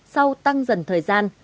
sau tăng dần thời gian